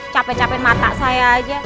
capek capekin mata saya aja